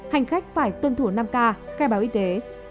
hành khách phải tuân thủ năm k khai báo y tế